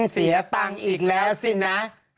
เสียตังค์อีกแล้วสินะ